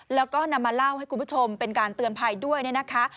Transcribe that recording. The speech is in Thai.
แล้วก็นำมาเล่าให้คุณผู้ชมเป็นการเตือนภัยด้วยเนี่ยนะคะ